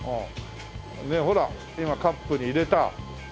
ほら今カップに入れた。